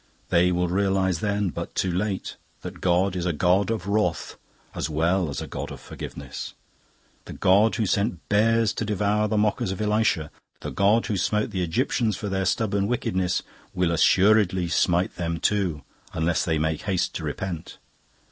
They will realise then, but too late, that God is a God of Wrath as well as a God of Forgiveness. The God who sent bears to devour the mockers of Elisha, the God who smote the Egyptians for their stubborn wickedness, will assuredly smite them too, unless they make haste to repent.